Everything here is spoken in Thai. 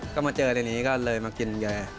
ก็มาเจอทีนี้ก็เลยมากินแก